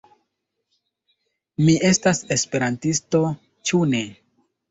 Mi estas esperantisto, ĉu ne?